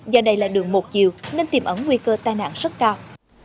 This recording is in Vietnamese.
do đây là đường một chiều nên tiềm ẩn nguy cơ tai nạn rất cao